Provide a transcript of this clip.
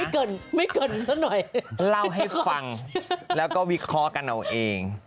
เกินไม่เกินซะหน่อยเล่าให้ฟังแล้วก็วิเคราะห์กันเอาเอง